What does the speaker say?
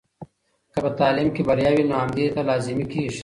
که په تعلیم کې بریا وي، نو همدې ته لازمي کیږي.